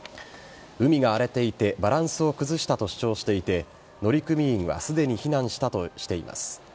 海が荒れていてバランスを崩したと主張していて乗組員はすでに避難したとしています。